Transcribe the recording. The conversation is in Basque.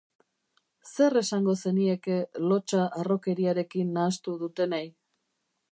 Zer esango zenieke lotsa harrokeriarekin nahastu dutenei?